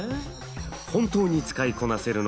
本当に使いこなせるのか